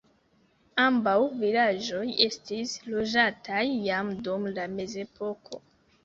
Ambaŭ vilaĝoj estis loĝataj jam dum la mezepoko.